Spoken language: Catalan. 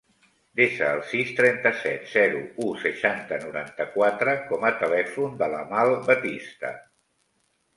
Desa el sis, trenta-set, zero, u, seixanta, noranta-quatre com a telèfon de l'Amal Batista.